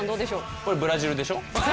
これブラジルでしょ？